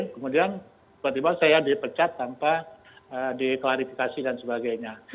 kemudian tiba tiba saya dipecat tanpa diklarifikasi dan sebagainya